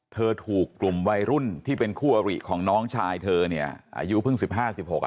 เธอถูกกลุ่มวัยรุ่นที่เป็นคู่อาริของน้องชายเธอนี่อายุเพิ่ง๑๕๑๖อ่ะ